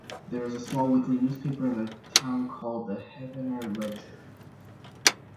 There is a small weekly newspaper in the town called The Heavener Ledger.